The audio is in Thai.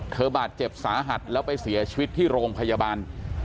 บาดเจ็บสาหัสแล้วไปเสียชีวิตที่โรงพยาบาล